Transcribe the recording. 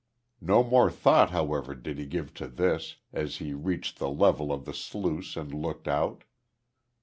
No more thought however did he give to this, as he reached the level of the sluice and looked out.